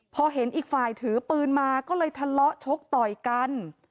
พอเห็นอีกฝ่ายถือปืนมาก็เลยทะเลาะชกต่อยกัน